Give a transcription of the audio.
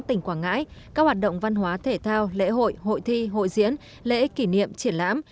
tỉnh quảng ngãi các hoạt động văn hóa thể thao lễ hội hội thi hội diễn lễ kỷ niệm triển lãm